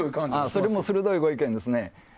それも鋭いご意見ですね。